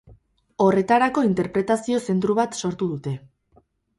Horretarako interpretazio zentru bat sortu dute.